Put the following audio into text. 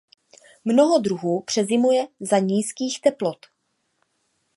Mnoho druhů přezimuje za nízkých teplot.